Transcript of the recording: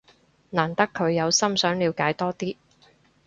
難得佢有心想了解多啲